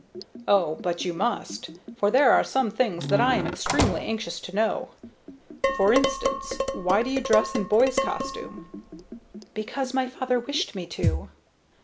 "Oh, but you must; for there are some things that I am extremely anxious to know. For instance, why do you dress in boy's costume?" "Because my father wished me to."